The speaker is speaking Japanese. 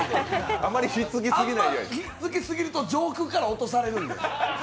あんまりひっつきすぎると、上空から落とされるんで。